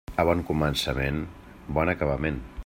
A bon començament, bon acabament.